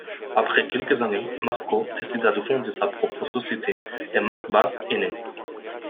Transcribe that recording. Après quelques années, Marco décida de fonder sa propre société, et Markbass est né.